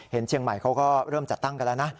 เชียงใหม่เขาก็เริ่มจัดตั้งกันแล้วนะ